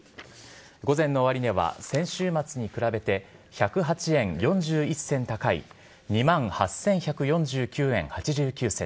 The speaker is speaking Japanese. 午前の終値は、先週末に比べて１０８円４１銭高い２万８１４９円８９銭。